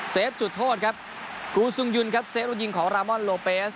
จุดโทษครับกูซุงยุนครับเซฟลูกยิงของรามอนโลเปส